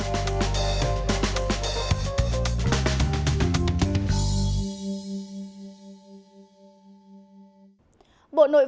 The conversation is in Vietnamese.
bộ nội vụ vừa tham gia bảo hiểm y tế